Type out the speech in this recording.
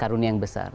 karunia yang besar